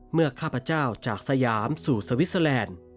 เมื่อข้าพเจ้าจากสยามสู่สวิสเซอแลนด์